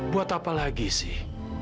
buat apa lagi sih